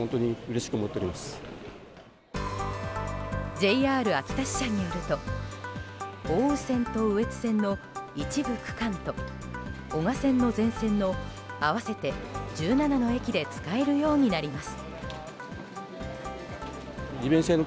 ＪＲ秋田支社によると奥羽線と羽越線の一部区間と男鹿線の全線の合わせて１７の駅で使えるようになります。